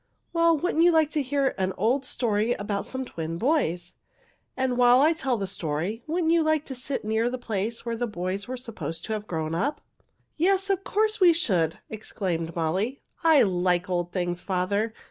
"Well, wouldn't you like to hear an old story about some twin boys? And while I tell the story, wouldn't you like to sit near the place where the boys were supposed to have grown up?" "Yes, of course we should!" exclaimed Molly. "I like old things, father.